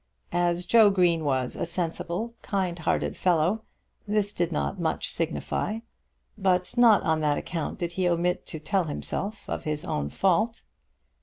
As Joe Green was a sensible, kind hearted fellow, this did not much signify; but not on that account did he omit to tell himself of his own fault.